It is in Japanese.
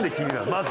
まず。